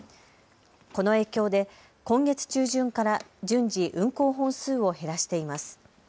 この影響で今月中旬から順次、運行本数を減らしています。